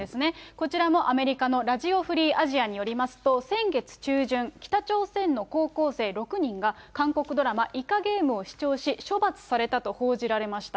こちらもアメリカのラジオ・フリー・アジアによりますと、先月中旬、北朝鮮の高校生６人が、韓国ドラマ、イカゲームを視聴し、処罰されたと報じられました。